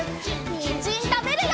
にんじんたべるよ！